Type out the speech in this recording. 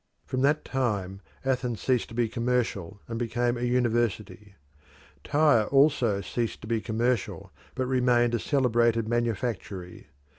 Form that time Athens ceased to be commercial and became a university. Tyre also ceased to be commercial, but remained a celebrated manufactory.